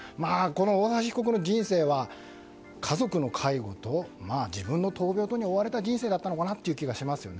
大橋被告の人生は家族の介護と自分の闘病に追われた人生だったのかなという気がします。